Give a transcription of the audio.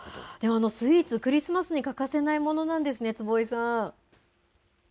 スイーツ、クリスマスに欠かせないものなんですね、坪井さん。